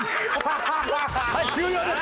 はい終了です。